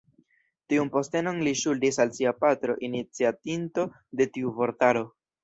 Tiun postenon li ŝuldis al sia patro, iniciatinto de tiu vortaro.